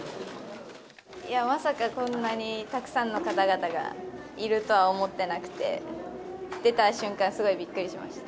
まさかこんなにたくさんの方々がいるとは思ってなくて、出た瞬間、すごいびっくりしました。